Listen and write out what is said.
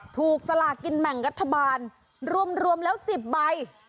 สลากินแบ่งรัฐบาลรวมแล้ว๑๐ใบ